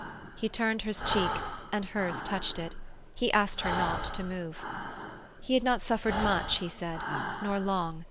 He turned his cheek, and hers touched it. He asked her not to move. He had not suffered much, he said, nor long.